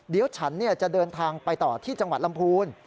เดี๋ยวฉันจะเดินทางไปต่อที่จังหวัดลำพูน